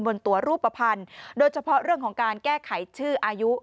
บนตัวรูปภัณฑ์โดยเฉพาะเรื่องของการแก้ไขชื่ออายุ